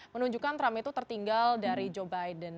menunjukkan trump itu tertinggal dari joe biden